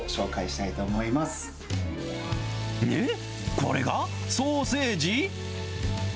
これがソーセージ？